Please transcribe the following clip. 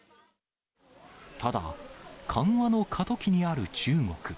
ただ、緩和の過渡期にある中国。